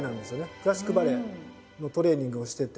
クラシックバレエのトレーニングをしてて。